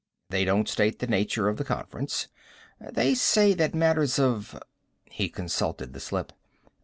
They don't state the nature of the conference. They say that matters of " He consulted the slip.